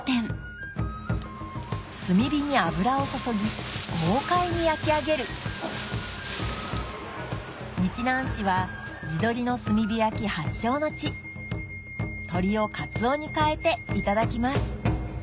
炭火に油を注ぎ豪快に焼き上げる日南市は地鶏の炭火焼き発祥の地鶏をカツオに代えていただきます